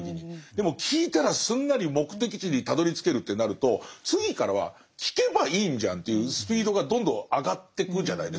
でも聞いたらすんなり目的地にたどりつけるってなると次からは聞けばいいんじゃんっていうスピードがどんどん上がってくじゃないですか。